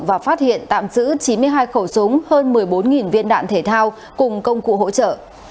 và phát hiện tạm giữ chín mươi hai khẩu súng hơn một mươi bốn viên đạn thể thao cùng công cụ hỗ trợ